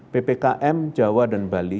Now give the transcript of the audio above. ppkm jawa dan bali